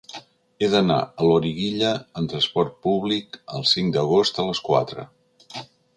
He d'anar a Loriguilla amb transport públic el cinc d'agost a les quatre.